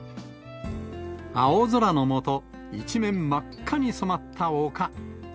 青空の下、一面真っ赤に染まった丘。